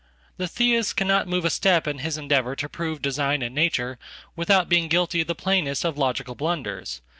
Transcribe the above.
The Theist cannot move a step in his endeavor to prove designin nature without being guilty of the plainest of logical blunders.